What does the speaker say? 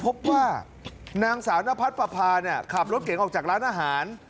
ดูใจจึงพบว่านางสาวน้าพัดปภาเนี่ยขับลดเก๋งออกจากร้านอาหารจึงพบว่านางสาวน้าพัดปภาเนี่ยขับรถเก๋งออกจากร้านอาหาร